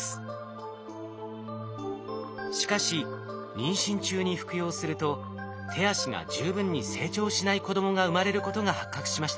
しかし妊娠中に服用すると手足が十分に成長しない子供が産まれることが発覚しました。